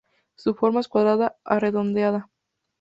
Su forma es cuadrada a redondeada.